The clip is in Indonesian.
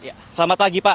pak bisa dijelaskan pak